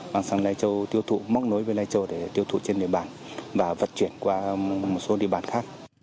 mang sang lai châu tiêu thụ móc nối với lai châu để tiêu thụ trên địa bàn và vận chuyển qua một số địa bàn khác